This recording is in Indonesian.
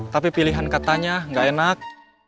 tapi pilihan katanya nggak enak